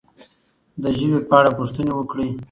د ژبې په اړه پوښتنې وکړئ.